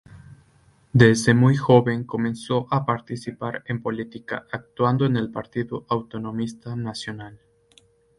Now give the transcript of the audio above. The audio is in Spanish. Desde muy joven comenzó a participar en política, actuando en el Partido Autonomista Nacional.